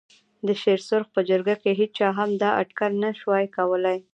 د شېر سرخ په جرګه کې هېچا هم دا اټکل نه شوای کولای.